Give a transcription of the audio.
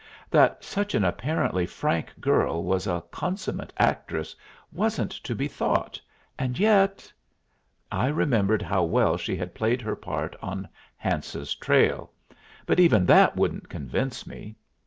That such an apparently frank girl was a consummate actress wasn't to be thought, and yet I remembered how well she had played her part on Hance's trail; but even that wouldn't convince me.